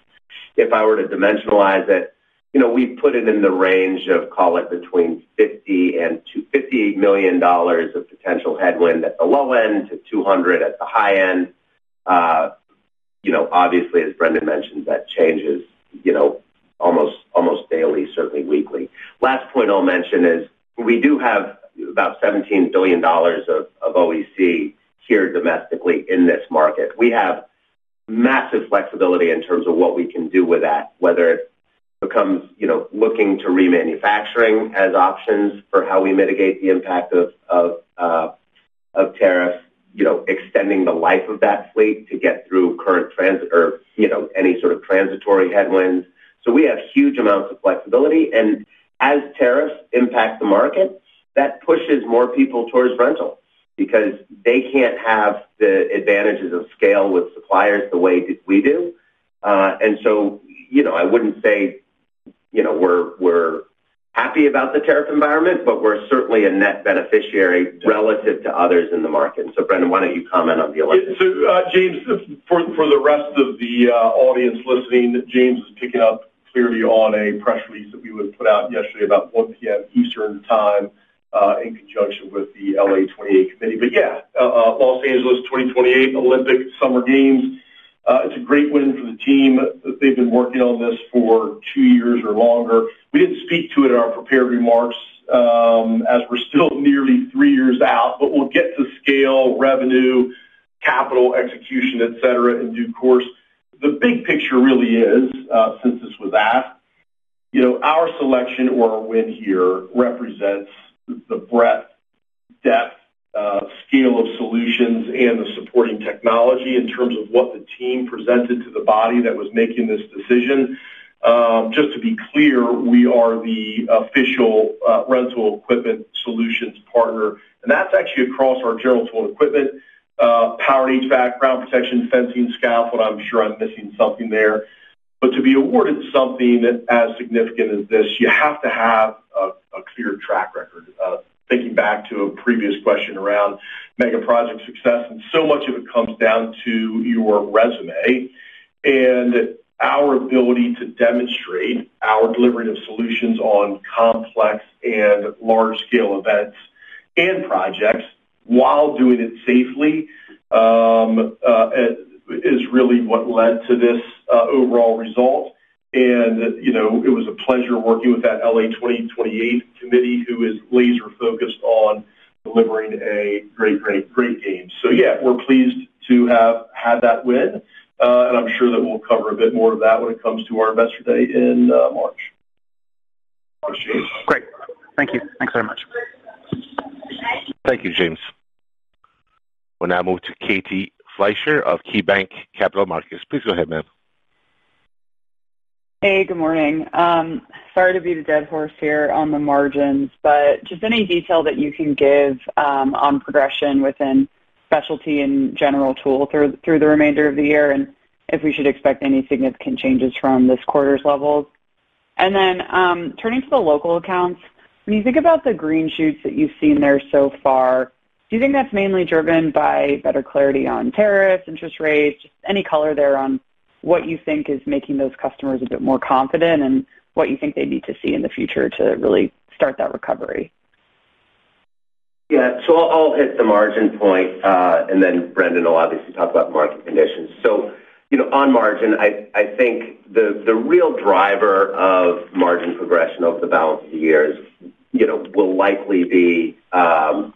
If I were to dimensionalize it, we put it in the range of, call it, between $50 million-$250 million of potential headwind at the low-end to $200 million at the high-end. Obviously, as Brendan mentioned, that changes almost daily, certainly weekly. Last point I'll mention is we do have about $17 billion of OEC here domestically in this market. We have massive flexibility in terms of what we can do with that, whether it becomes looking to remanufacturing as options for how we mitigate the impact of tariffs, extending the life of that fleet to get through current transit or any sort of transitory headwinds. We have huge amounts of flexibility. As tariffs impact the market, that pushes more people towards rental because they can't have the advantages of scale with suppliers the way we do. I wouldn't say we're happy about the tariff environment, but we're certainly a net beneficiary relative to others in the market. Brendan, why don't you comment on the Olympics? James, for the rest of the audience listening, James is picking up clearly on a press release that we would have put out necessarily about 1:00 P.M. Eastern Time in conjunction with the LA 2028 Committee. Yeah, Los Angeles 2028 Olympic Summer Games. It's a great win for the team. They've been working on this for two years or longer. We didn't speak to it in our prepared remarks as we're still nearly three years out, but we'll get to scale, revenue, capital, execution, etc., in due course. The big picture really is, since this was asked, our selection or our win here represents the breadth, depth, scale of solutions, and the supporting technology in terms of what the team presented to the body that was making this decision. Just to be clear, we are the official rental equipment solutions partner. That's actually across our general tool equipment, powered HVAC, ground protection, fencing, scaffold. I'm sure I'm missing something there. To be awarded something that's as significant as this, you have to have a clear track record. Thinking back to a previous question around mega project success, so much of it comes down to your resume and our ability to demonstrate our delivery of solutions on complex and large-scale events and projects while doing it safely is really what led to this overall result. It was a pleasure working with that LA 2028 Committee who is laser-focused on delivering a great, great, great game. We're pleased to have had that win. I'm sure that we'll cover a bit more of that when it comes to our investor day in March. Great. Thank you. Thanks very much. Thank you, James. We'll now move to Katie Fleischer of KeyBanc Capital Markets. Please go ahead, ma'am. Hey, good morning. Sorry to beat the dead horse here on the margins, but just any detail that you can give on progression within specialty and general tool through the remainder of the year, and if we should expect any significant changes from this quarter's level. Turning to the local accounts, when you think about the green shoots that you've seen there so far, do you think that's mainly driven by better clarity on tariffs, interest rates, just any color there on what you think is making those customers a bit more confident and what you think they need to see in the future to really start that recovery? Yeah, so I'll hit the margin point, and then Brendan will obviously talk about margin conditions. On margin, I think the real driver of margin progression over the balance of the year will likely be the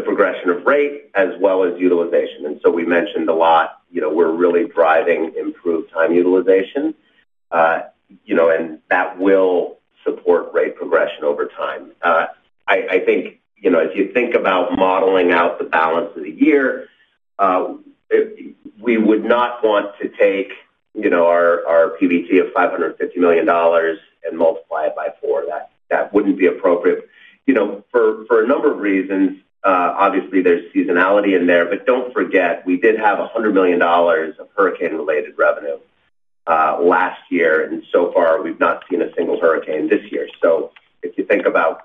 progression of rate as well as utilization. We mentioned a lot, we're really driving improved time utilization, and that will support rate progression over time. I think as you think about modeling out the balance of the year, we would not want to take our PVG of $550 million and multiply it by four. That wouldn't be appropriate. For a number of reasons, obviously, there's seasonality in there, but don't forget, we did have $100 million of hurricane-related revenue last year, and so far, we've not seen a single hurricane this year. If you think about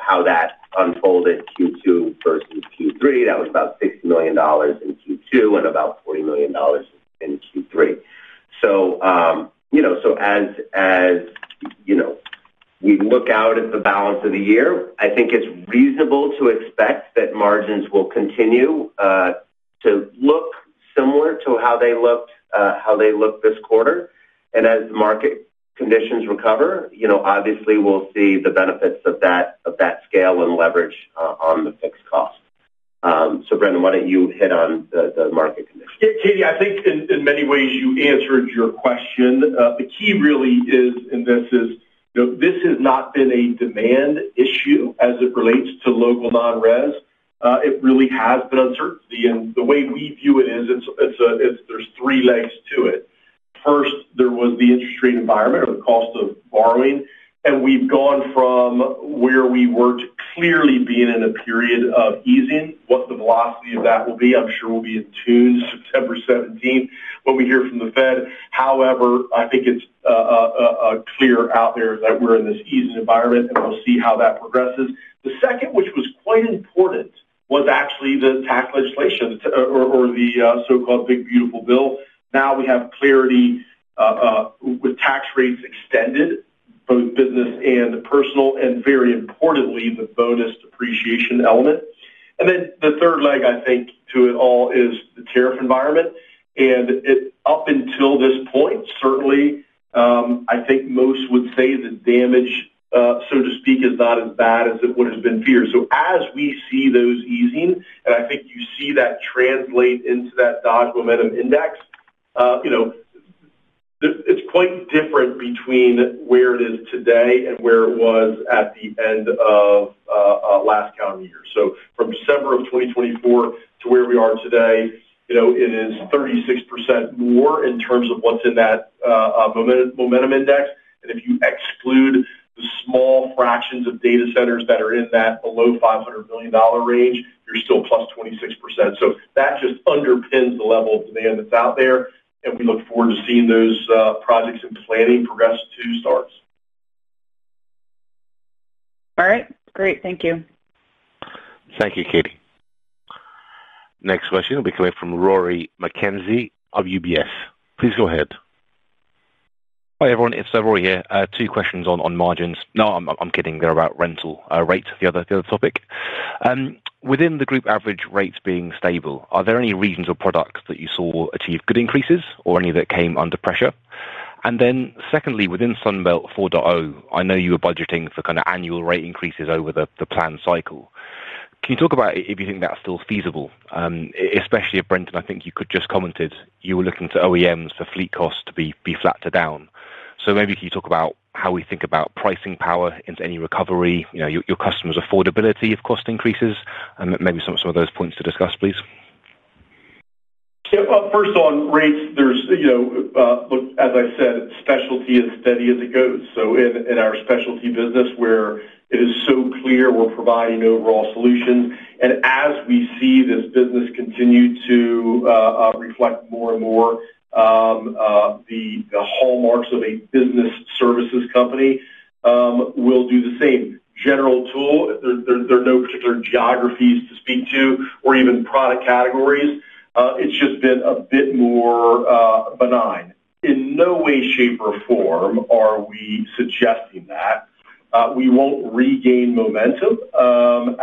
how that unfolded in Q2 versus Q3, that was about $60 million in Q2 and about $40 million in Q3. As we look out at the balance of the year, I think it's reasonable to expect that margins will continue to look similar to how they looked this quarter. As the market conditions recover, obviously, we'll see the benefits of that scale and leverage on the fixed cost. Brendan, why don't you hit on the market conditions? Yeah, I think in many ways, you answered your question. The key really is, and this is, you know, this has not been a demand issue as it relates to local non-res. It really has been uncertainty. The way we view it is there's three legs to it. First, there was the interest rate environment or the cost of borrowing. We've gone from where we were clearly being in a period of easing. What the velocity of that will be, I'm sure we'll be in tune September 17 when we hear from the Fed. However, I think it's clear out there that we're in this easing environment, and we'll see how that progresses. The second, which was quite important, was actually the tax legislation or the so-called Big Beautiful Bill. Now we have clarity with tax rates extended, both business and the personal, and very importantly, the bonus depreciation element. The third leg, I think, to it all is the tariff environment. Up until this point, certainly, I think most would say the damage, so to speak, is not as bad as it would have been feared. As we see those easing, and I think you see that translate into that Dodge Momentum Index, it's quite different between where it is today and where it was at the end of last calendar year. From summer of 2024 to where we are today, it is 36% more in terms of what's in that Momentum Index. If you exclude the small fractions of data centers that are in that below $500 million range, you're still +26%. That just underpins the level of demand that's out there. We look forward to seeing those projects and planning progress to [STARS]. All right. Great. Thank you. Thank you, Katie. Next question will be coming from Rory McKenzie of UBS. Please go ahead. Hi, everyone. It's Rory here. Two questions on margins. No, I'm kidding. They're about rental rates for the other topic. Within the group average rates being stable, are there any regions or products that you saw achieve good increases or any that came under pressure? Secondly, within Sunbelt 4.0, I know you were budgeting for kind of annual rate increases over the planned cycle. Can you talk about if you think that's still feasible, especially if Brendan, I think you just commented, you were looking to OEMs for fleet costs to be flat to down. Maybe can you talk about how we think about pricing power into any recovery, your customers' affordability if cost increases? Maybe some of those points to discuss, please. Yeah, first on rates, as I said, specialty is steady as it goes. In our specialty business, where it is so clear we're providing overall solutions, and as we see this business continue to reflect more and more the hallmarks of a business services company, we'll do the same. General Tool, there are no particular geographies to speak to or even product categories. It's just been a bit more benign. In no way, shape, or form are we suggesting that we won't regain momentum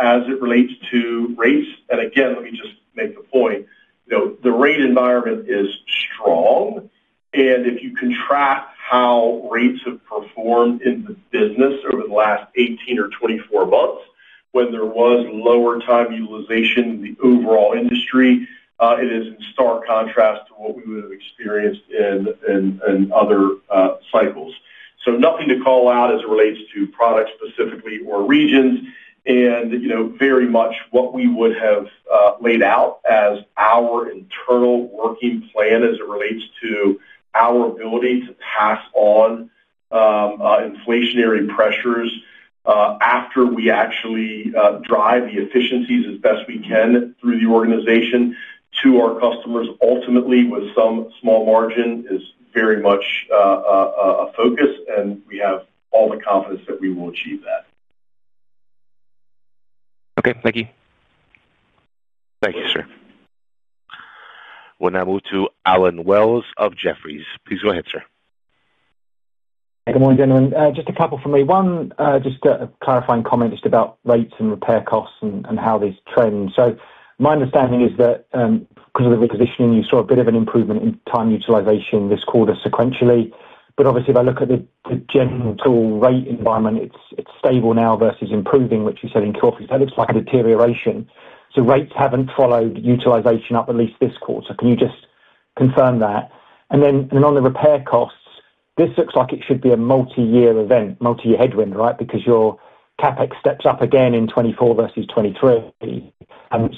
as it relates to rates. Let me just make the point, the rate environment is strong. If you contrast how rates have performed in the business over the last 18 or 24 months, when there was lower time utilization in the overall industry, it is in stark contrast to what we would have experienced in other cycles. Nothing to call out as it relates to products specifically or regions. Very much what we would have laid out as our internal working plan as it relates to our ability to pass on inflationary pressures after we actually drive the efficiencies as best we can through the organization to our customers. Ultimately, with some small margin, is very much a focus, and we have all the confidence that we will achieve that. Okay. Thank you. Thank you, sir. We'll now move to Allen Wells of Jefferies. Please go ahead, sir. Hey, good morning, gentlemen. Just a couple from me. One, just a clarifying comment about rates and repair costs and how these trend. My understanding is that because of the repositioning, you saw a bit of an improvement in time utilization this quarter sequentially. Obviously, if I look at the general tool rate environment, it's stable now versus improving, which you said in Q3. That looks like a deterioration. Rates haven't followed utilization up at least this quarter. Can you just confirm that? On the repair costs, this looks like it should be a multi-year event, multi-year headwind, right? Because your CapEx steps up again in 2024 versus 2023.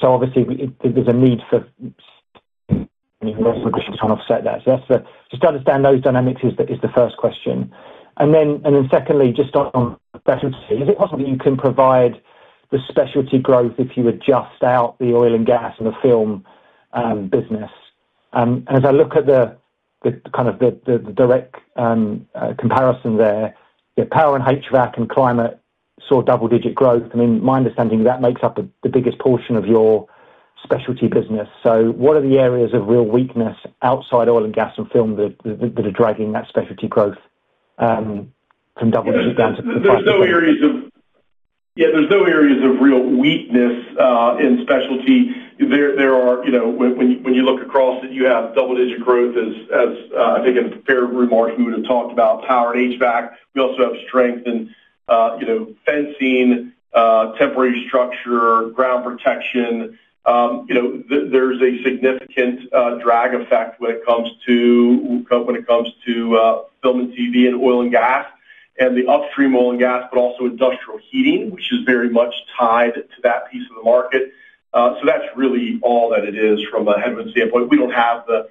Obviously, there's a need for lots of issues trying to offset that. That's just to understand those dynamics, the first question. Secondly, just on specialty, is it possible that you can provide the specialty growth if you adjust out the oil and gas and the film business? As I look at the kind of direct comparison there, your power and HVAC and climate saw double-digit growth. My understanding is that makes up the biggest portion of your specialty business. What are the areas of real weakness outside oil and gas and film that are dragging that specialty growth from double-digit down to? There are no areas of real weakness in specialty. When you look across it, you have double-digit growth as, I think, in the fair remarks we would have talked about power and HVAC. We also have strength in fencing, temporary structure, ground protection. There is a significant drag effect when it comes to film and TV and oil and gas and the upstream oil and gas, but also industrial heating, which is very much tied to that piece of the market. That is really all that it is from a headwind standpoint. We do not have the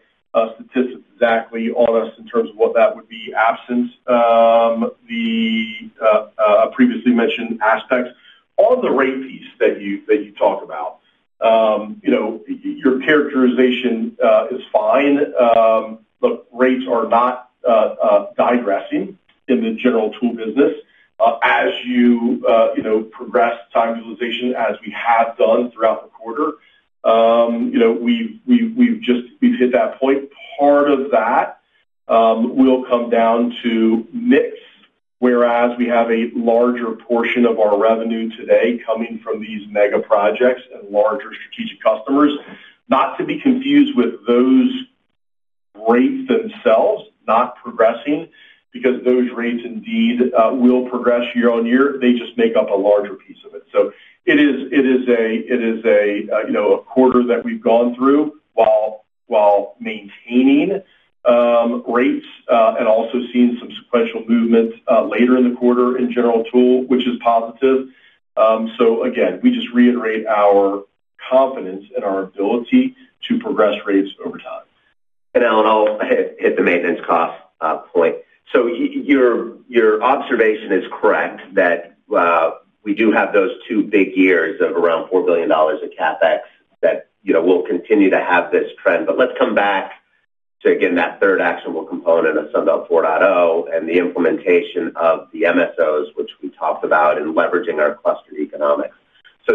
statistics exactly on us in terms of what that would be absent the previously mentioned aspects. On the rate piece that you talk about, your characterization is fine. Look, rates are not digressing in the general tool business. As you progress time utilization, as we have done throughout the quarter, we have just hit that point. Part of that will come down to NIPS, whereas we have a larger portion of our revenue today coming from these mega projects and larger strategic customers. Not to be confused with those rates themselves not progressing because those rates indeed will progress year on year. They just make up a larger piece of it. It is a quarter that we have gone through while maintaining rates and also seeing some sequential movement later in the quarter in general tool, which is positive. We just reiterate our confidence in our ability to progress rates over time. Allen, I'll hit the maintenance cost point. Your observation is correct that we do have those two big years of around $4 billion of CapEx that, you know, we'll continue to have this trend. Let's come back to that third actionable component of Sunbelt 4.0 and the implementation of the MSOs, which we talked about, and leveraging our cluster economics.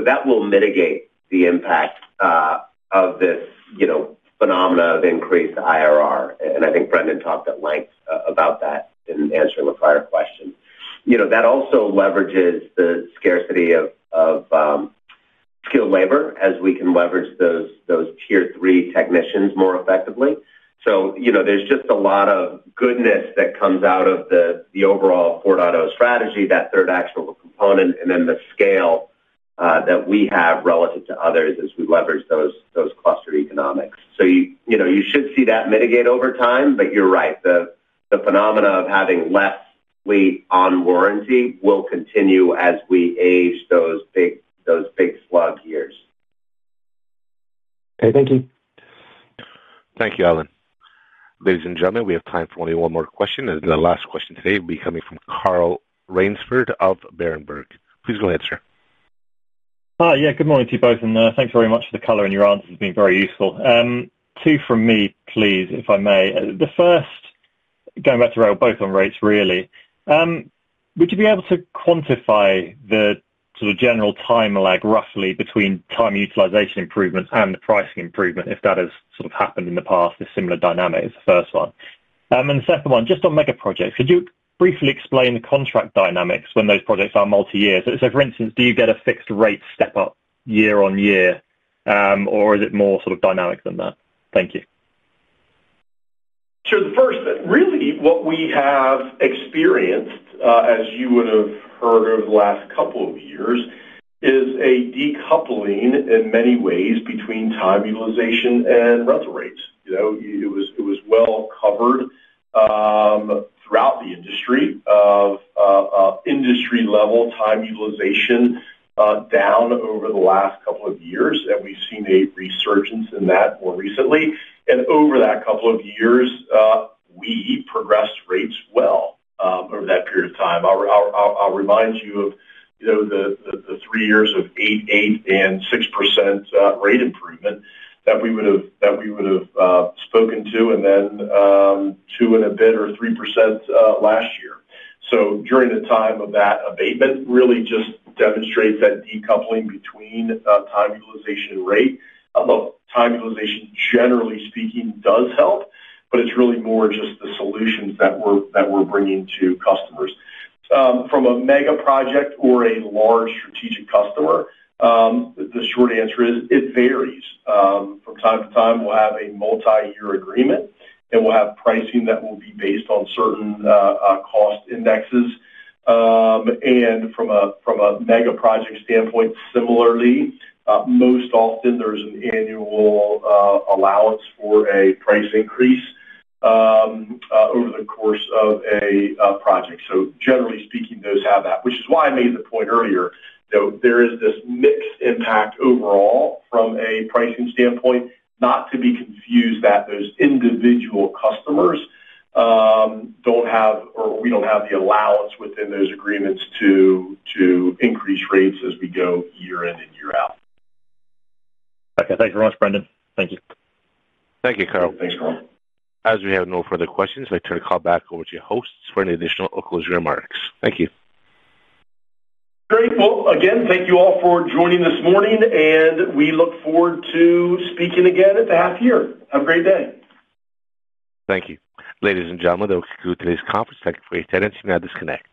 That will mitigate the impact of this, you know, phenomena of increased IRR. I think Brendan talked at length about that in answering the prior question. That also leverages the scarcity of skilled labor as we can leverage those tier three technicians more effectively. There's just a lot of goodness that comes out of the overall 4.0 strategy, that third actionable component, and then the scale that we have relative to others as we leverage those clustered economics. You should see that mitigate over time, but you're right. The phenomena of having less fleet on warranty will continue as we age those big, those big slug years. Okay, thank you. Thank you, Allen. Ladies and gentlemen, we have time for only one more question. The last question today will be coming from Carl Raynsford of Berenberg. Please go ahead, sir. Hi, yeah, good morning to you both, and thanks very much for the color and your answers being very useful. Two from me, please, if I may. The first, going back to rate[, both on rates, really. Would you be able to quantify the sort of general time lag roughly between time utilization improvement and the pricing improvement if that has sort of happened in the past, a similar dynamic as the first one? The second one, just on mega projects, could you briefly explain the contract dynamics when those projects are multi-years? For instance, do you get a fixed rate step up year on year, or is it more sort of dynamic than that? Thank you. Sure. The first, really what we have experienced, as you would have heard over the last couple of years, is a decoupling in many ways between time utilization and rental rates. It was well covered throughout the industry of industry-level time utilization down over the last couple of years, and we've seen a resurgence in that more recently. Over that couple of years, we progressed rates well over that period of time. I'll remind you of the three years of eight days and 6% rate improvement that we would have spoken to, and then two and a bit or 3% last year. During the time of that abatement, it really just demonstrates that decoupling between time utilization and rate. Although time utilization, generally speaking, does help, it's really more just the solutions that we're bringing to customers. From a mega project or a large strategic customer, the short answer is it varies. From time to time, we'll have a multi-year agreement, and we'll have pricing that will be based on certain cost indexes. From a mega project standpoint, similarly, most often there's an annual allowance or a price increase over the course of a project. Generally speaking, those have that, which is why I made the point earlier, there is this mixed impact overall from a pricing standpoint, not to be confused that those individual customers don't have, or we don't have the allowance within those agreements to increase rates as we go year in and year out. Okay, thanks very much, Brendan. Thank you. Thank you, Carl. Thanks, Carl. As we have no further questions, I'd like to turn the call back over to your hosts for any additional closing remarks. Thank you. Grateful. Again, thank you all for joining this morning, and we look forward to speaking again at the half year. Have a great day. Thank you. Ladies and gentlemen, that will conclude today's conference. Thank you for your attendance. You may now disconnect.